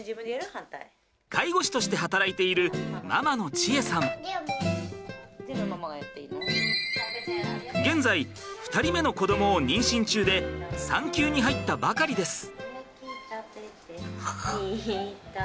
介護士として働いている現在２人目の子どもを妊娠中で産休に入ったばかりです。